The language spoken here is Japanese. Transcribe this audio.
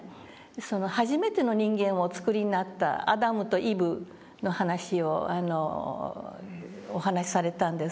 その初めての人間をおつくりになったアダムとイブの話をお話しされたんですね。